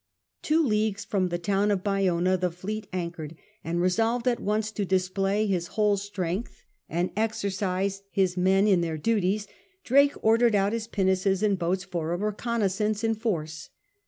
Two leagues from the town of Bayona the fleet anchored; and resolved at once to display his whole strength, and exercise his men in their duties, Drake ordered out his pinnaces and boats for a reconnaissance in force.